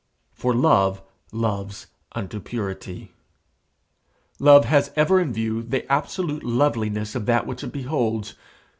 For love loves unto purity. Love has ever in view the absolute loveliness of that which it beholds.